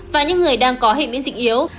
và những người đang có hệ biến dịch yếu